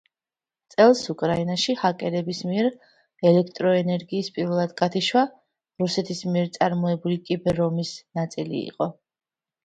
წელს, უკრაინაში ჰაკერების მიერ ელექტროენერგიის პირველად გათიშვა, რუსეთის მიერ წარმოებული კიბერ-ომის ნაწილი იყო.